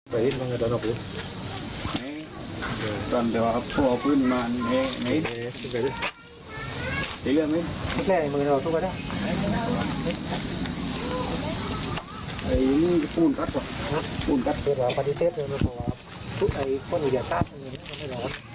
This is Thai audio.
เป็นเมื่องี้ไม่ไม่ได้หรอกผมพูดว่าตรงนี้